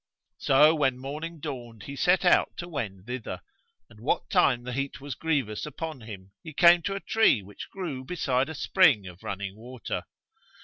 So when morning dawned he set out to wend thither, and what time the heat was grievous upon him, he came to a tree which grew beside a spring of running water.